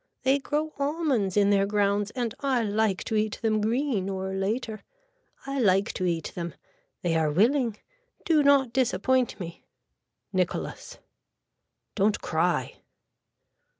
They grow almonds in their grounds and I like to eat them green or later. I like to eat them. They are willing. Do not disappoint me. (Nicholas.) Don't cry.